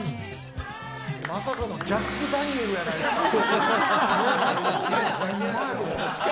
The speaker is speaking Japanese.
まさかのジャックダニエルやないですか。